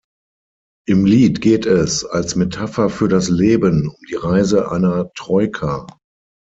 Im Lied geht es, als Metapher für das Leben, um die Reise einer Troika.